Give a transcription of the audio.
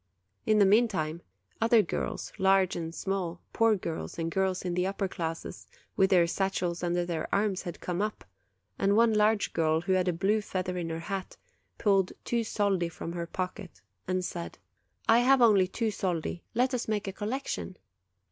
In the meantime, other girls, large and small, poor girls and girls of the upper classes, with THE CHIMNEY SWEEP 23 their satchels under their arms, had come up; and one large girl, who had a blue feather in her hat, pulled two soldi from her pocket, and said : "I have only two soldi; let us make a collection."